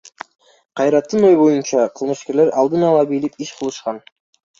Кайраттын ою боюнча, кылмышкерлер алдын ала билип иш кылышкан.